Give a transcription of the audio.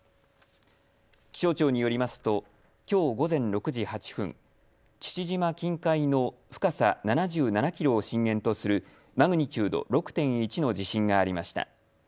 気象庁によりますときょう午前６時８分、父島近海の深さ７７キロを震源とするマグニチュード６．１の地震がありました。